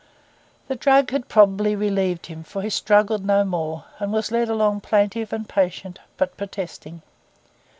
The drug had probably relieved him, for he struggled no more, and was led along plaintive and patient, but protesting.